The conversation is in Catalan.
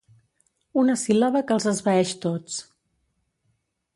Una síl·laba que els esvaeix tots.